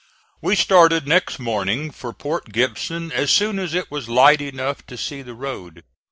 We started next morning for Port Gibson as soon as it was light enough to see the road.